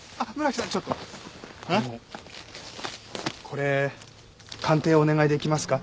これ鑑定お願いできますか？